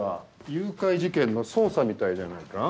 誘拐事件の捜査みたいじゃないか。